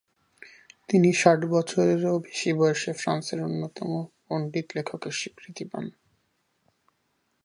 তিনি ষাট বছরেরও বেশি বয়সে ফ্রান্সের অন্যতম পণ্ডিত লেখকের স্বীকৃত পান।